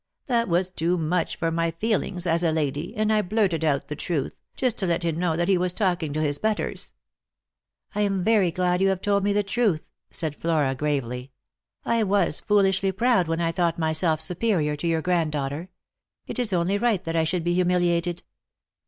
That was too much for my feelings, as a lady, and I blurted out the truth, just to let him know that he was talking to his betters." " I am very glad you have told me the truth," said Flora gravely. " T was foolishly proud when I thought myself supe rior to youi granddaughter. It is only right that I should be humiliated.